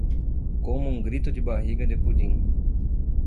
Coma um grito de barriga de pudim